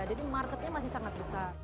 jadi marketnya masih sangat besar